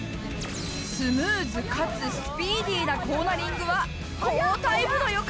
スムーズかつスピーディーなコーナリングは好タイムの予感！